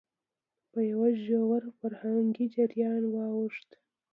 په يوه ژور فرهنګي جريان واوښت،